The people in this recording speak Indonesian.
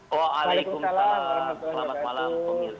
waalaikumsalam selamat malam